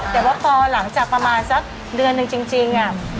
แต่ว่าตอนจากประมาณซักเดือนนึงจริงอะ